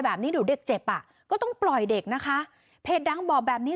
แบบนี้เดี๋ยวเด็กเจ็บอ่ะก็ต้องปล่อยเด็กนะคะเพจดังบอกแบบนี้